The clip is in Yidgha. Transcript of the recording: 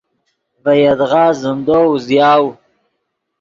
ڤے یدغا زندو اوزیاؤ.